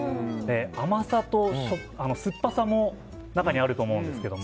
甘さと酸っぱさも中にあると思うんですけど。